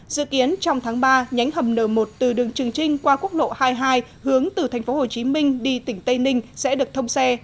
dự kiến trong tháng ba nhánh hầm n một từ đường trường trinh qua quốc lộ hai mươi hai hướng từ thành phố hồ chí minh đi tỉnh tây ninh sẽ được thông xe